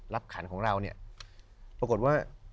ขันของเราเนี่ยปรากฏว่า